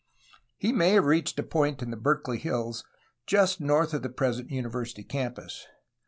He may have reached a point in the Berkeley hills just north of the present university campus.